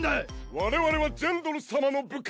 我々はジェンドル様の部下！